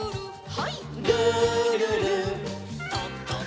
はい。